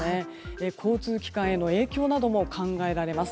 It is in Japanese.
交通機関への影響なども考えられます。